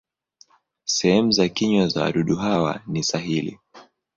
Sehemu za kinywa za wadudu hawa ni sahili.